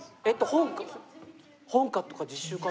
本科とか実習科。